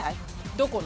どこの？